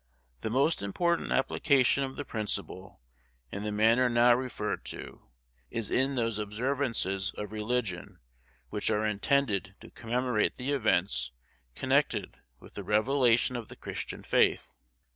The most important application of the principle, in the manner now referred to, is in those observances of religion which are intended to commemorate the events connected with the revelation of the Christian faith.